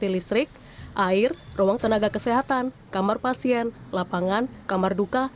listrik air ruang tenaga kesehatan kamar pasien lapangan kamar duka